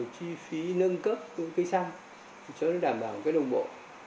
chi phí nâng cấp của cây xăng cho đảm bảo cây đồng bộ